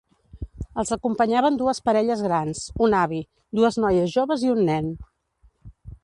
Els acompanyaven dues parelles grans, un avi, dues noies joves i un nen.